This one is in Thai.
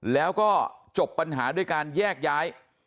แล้วก็จบปัญหาด้วยการแยกย้าย